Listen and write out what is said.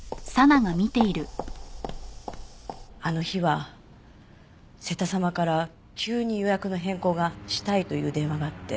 あの日は瀬田様から急に予約の変更がしたいという電話があって。